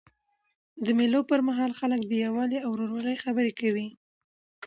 د مېلو پر مهال خلک د یووالي او ورورولۍ خبري کوي.